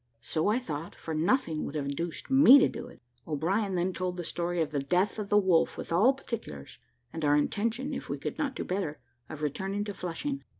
So I thought, for nothing would have induced me to do it. O'Brien then told the history of the death of the wolf with all particulars, and our intention if we could not do better, of returning to Flushing.